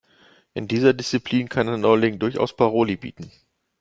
In dieser Disziplin kann der Neuling durchaus Paroli bieten.